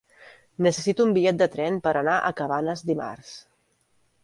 Necessito un bitllet de tren per anar a Cabanes dimarts.